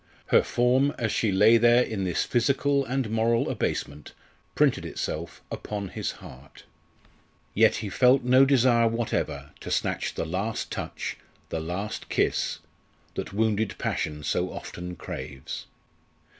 Her form as she lay there in this physical and moral abasement printed itself upon his heart. Yet he felt no desire whatever to snatch the last touch the last kiss that wounded passion so often craves.